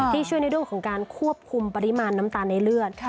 ที่ช่วยในเรื่องของการควบคุมปริมาณน้ำตาลในเลือด